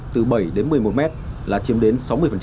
từ bảy đến một mươi một m là chiếm đến sáu mươi